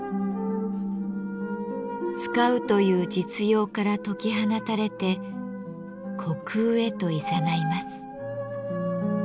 「使う」という実用から解き放たれて虚空へといざないます。